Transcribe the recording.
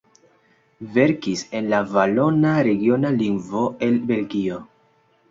Verkis en la valona, regiona lingvo el Belgio.